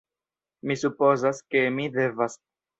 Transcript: Mi supozas ke mi devas.